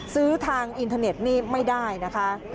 ซื้อทางอินเทอร์เน็ตนี่ไม่ได้นะคะ